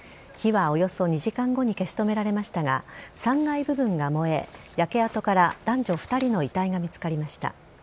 火はおよそ２時間後に消し止められましたが、３階部分が燃え、焼け跡から男女２人の遺体が見つかりました。